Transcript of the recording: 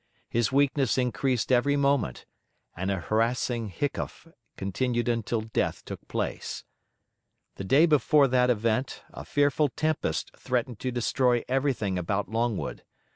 His weakness increased every moment, and a harassing hiccough continued until death took place. The day before that event a fearful tempest threatened to destroy everything about Longwood.